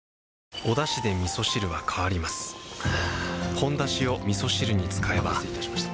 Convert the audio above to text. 「ほんだし」をみそ汁に使えばお待たせいたしました。